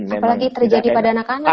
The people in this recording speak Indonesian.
apalagi terjadi pada anak anak